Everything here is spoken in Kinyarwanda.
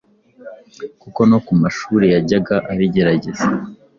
kuko no ku mashuri yajyaga abigerageza